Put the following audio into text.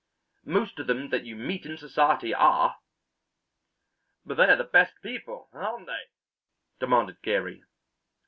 "Most of them that you meet in society are." "But they are the best people, aren't they?" demanded Geary.